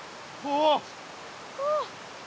ああ！